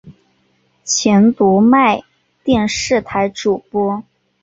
前读卖电视台主播。